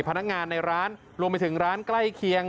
พนักงานในร้านรวมไปถึงร้านใกล้เคียง